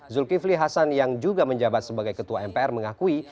zulkifli hasan yang juga menjabat sebagai ketua mpr mengakui